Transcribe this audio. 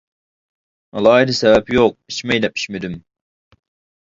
ئالاھىدە سەۋەب يوق، ئىچمەي دەپ ئىچمىدىم.